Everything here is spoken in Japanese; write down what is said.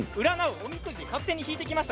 おみくじを勝手に引いてきました。